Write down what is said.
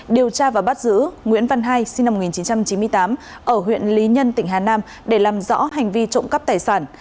điều tra và bắt giữ nguyễn văn hai sinh năm một nghìn chín trăm chín mươi tám ở huyện lý nhân tỉnh hà nam để làm rõ hành vi trộm cắp tài sản